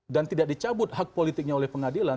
dan tidak dicabut hak politiknya oleh pengadilan